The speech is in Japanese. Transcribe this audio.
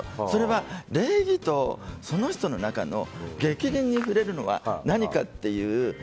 それは礼儀とその人の中の逆鱗に触れるのは何かっていう。